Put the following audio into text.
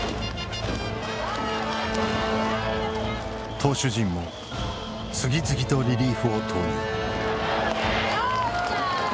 投手陣も次々とリリーフを投入。